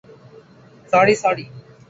Sorry, sorry.